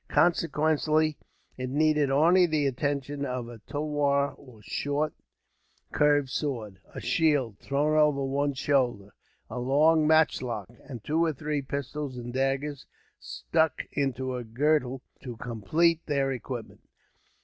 Consequently, it needed only the addition of a tulwar, or short curved sword; a shield, thrown over one shoulder; a long matchlock; and two or three pistols and daggers, stuck into a girdle, to complete their equipment.